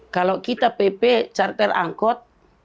kalau kita pp charter angkot